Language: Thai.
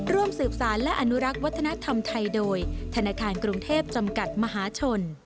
ร่วมสืบสารและอนุรักษ์วัฒนธรรมไทยโดยธนาคารกรุงเทพจำกัดมหาชน